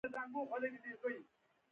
د لاش او جوین کلا تاریخي ده